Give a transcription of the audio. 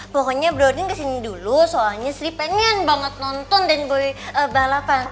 pokoknya brody kesini dulu soalnya sri pengen banget nonton den boy balapan